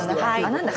何だ。